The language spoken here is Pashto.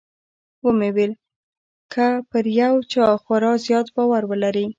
ومې ويل که پر يو چا خورا زيات باور ولرې.